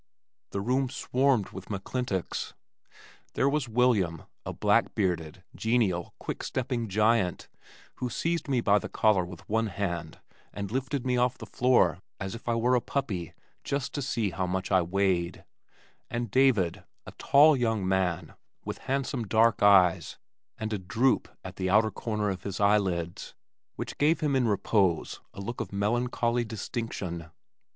The room swarmed with McClintocks. There was William, a black bearded, genial, quick stepping giant who seized me by the collar with one hand and lifted me off the floor as if I were a puppy just to see how much I weighed; and David, a tall young man with handsome dark eyes and a droop at the outer corner of his eyelids which gave him in repose a look of melancholy distinction.